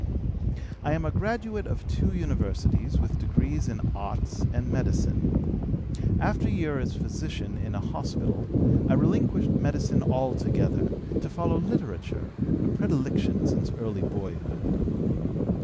"I am a graduate of two universities with degrees in arts and medicine. After a year as physician in a hospital, I relinquished medicine altogether, to follow literature, a predilection since early boyhood.